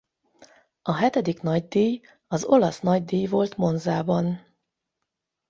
A hetedik nagydíj az Olasz nagydíj volt Monzában.